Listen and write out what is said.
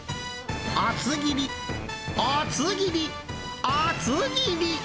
厚切り、厚切り、厚切り。